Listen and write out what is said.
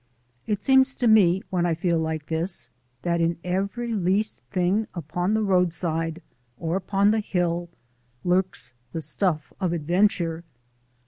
It seems to me, when I feel like this, that in every least thing upon the roadside, or upon the hill, lurks the stuff of adventure.